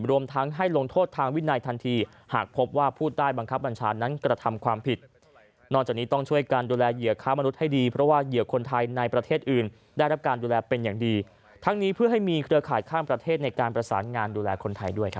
รวมทั้งให้ลงโทษทางวินัยทันทีหากพบว่าผู้ใดบังคับบัญชานั้น